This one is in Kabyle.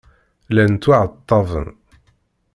Llan ttwaɛettaben.